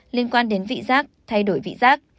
liên quan đến vị giác thay đổi vị giác